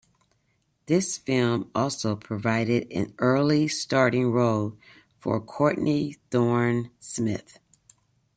This film also provided an early starring role for Courtney Thorne-Smith.